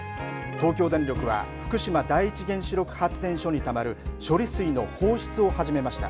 東京電力は福島第一原子力発電所にたまる処理水の放出を始めました。